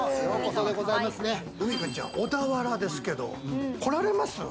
海荷ちゃん、小田原ですけれど、こられます？